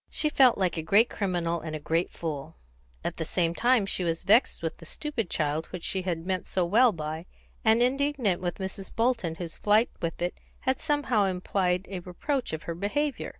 She felt like a great criminal and a great fool; at the same time she was vexed with the stupid child which she had meant so well by, and indignant with Mrs. Bolton, whose flight with it had somehow implied a reproach of her behaviour.